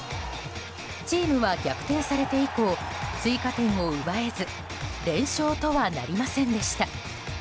チームは逆転されて以降追加点を奪えず連勝とはなりませんでした。